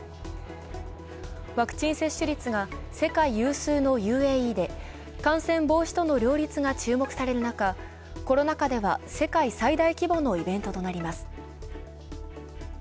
ワクチン接種率が世界有数のＵＡＥで感染防止との両立が注目される中、コロナ禍では世界最大規模のイベントとなります。